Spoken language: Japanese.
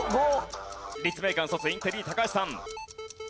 立命館卒インテリ高橋さん。